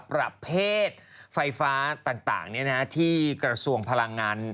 ประเภทไฟฟ้าต่างที่กระทรวงพลังงาน